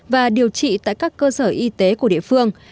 và điều trị tại các cơ sở y tế của địa phương